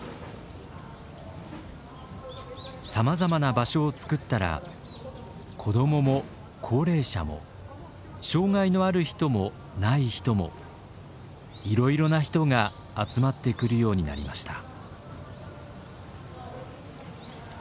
さまざまな場所をつくったら子どもも高齢者も障害のある人もない人もいろいろな人が集まってくるようになりました。